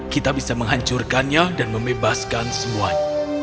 kita bisa menghancurkannya dan membebaskan semuanya